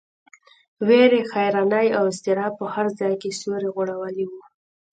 وېرې، حیرانۍ او اضطراب په هر ځای کې سیوری غوړولی و.